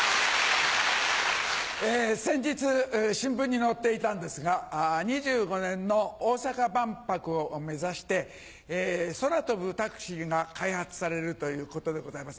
先日新聞に載っていたんですが２５年の大阪万博を目指して空飛ぶタクシーが開発されるということでございます。